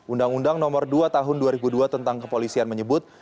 undang undang nomor dua tahun dua ribu dua tentang kepolisian menyebut